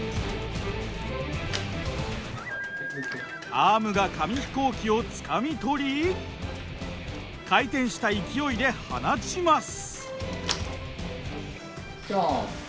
アームが紙飛行機をつかみ取り回転した勢いで放ちます。